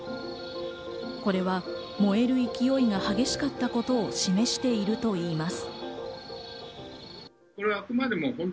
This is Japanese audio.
これは燃える勢いが激しかったことを示しているといいます。